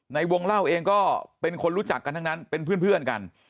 ในวงเล่าเองก็เป็นคนรู้จักกันทั้งนั้นเป็นเพื่อนกัน